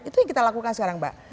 itu yang kita lakukan sekarang mbak